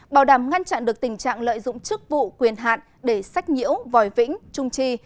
bảo đảm ngăn chặn được tình trạng lợi dụng chức vụ quyền hạn để sách nhiễu vòi vĩnh trung trì